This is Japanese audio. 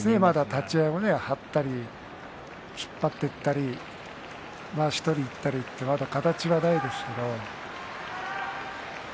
立ち合いは張ったり突っ張っていったりまわしを取りにいったりまだ形はないですが。